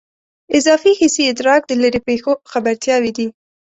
اضافي حسي ادراک د لیرې پېښو خبرتیاوې دي.